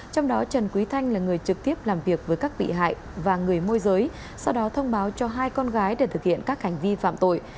trong đó trần quý thanh là người trực tiếp làm việc với các bị hại và người môi giới sau đó thông báo cho hai con gái để thực hiện các hành vi phạm tội